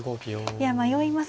いや迷いますね